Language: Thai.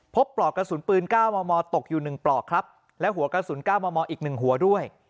พบปลอกกระสุนปืนก้าวมอมอตกอยู่หนึ่งปลอกครับและหัวกระสุนก้าวมอมออีกหนึ่งหัวด้วย